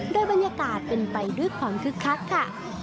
ด้วยบรรยากาศเป็นไตลื้อครองขึ้นคัดค่ะ